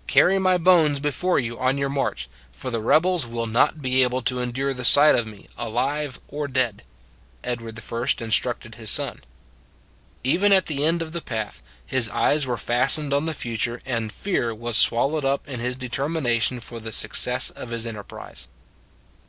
" Carry my bones before you on your march, for the rebels will not be able to endure the sight of me alive or dead," Edward I instructed his son. Even at the end of the path, his eyes were fastened on the future and fear was swallowed up in his determination for the success of his enterprise.